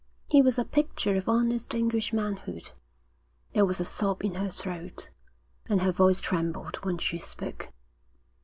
He was a picture of honest English manhood. There was a sob in her throat, and her voice trembled when she spoke.